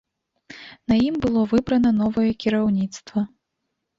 На ім было выбрана новае кіраўніцтва.